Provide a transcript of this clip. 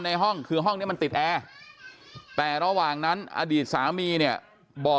ในห้องคือห้องนี้มันติดแอร์แต่ระหว่างนั้นอดีตสามีเนี่ยบอก